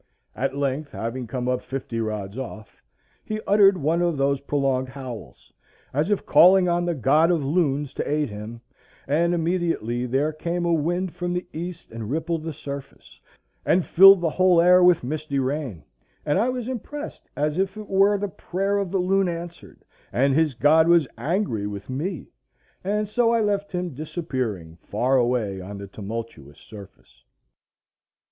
At length, having come up fifty rods off, he uttered one of those prolonged howls, as if calling on the god of loons to aid him, and immediately there came a wind from the east and rippled the surface, and filled the whole air with misty rain, and I was impressed as if it were the prayer of the loon answered, and his god was angry with me; and so I left him disappearing far away on the tumultuous surface.